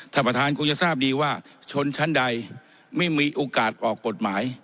ท่านประธานคงจะทราบดีว่าชนชั้นใดไม่มีโอกาสออกกฎหมาย